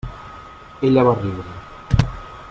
Ella va riure.